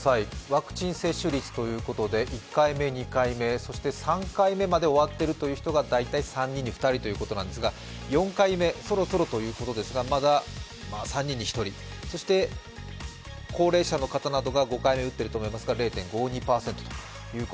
ワクチン接種率ということで、１回目、２回目、３回目まで終わっているという方が大体３人に２人ということですが４回目、そろそろということですが、まだ３人に１人、そして高齢者の方などが５回目打ってると思いますが、０．５２％と。